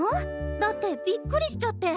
だってびっくりしちゃって。